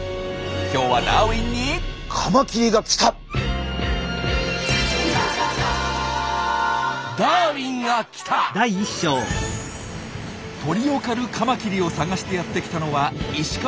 今日はダーウィンに鳥を狩るカマキリを探してやって来たのは石川県。